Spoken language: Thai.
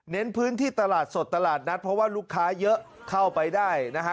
พื้นที่ตลาดสดตลาดนัดเพราะว่าลูกค้าเยอะเข้าไปได้นะฮะ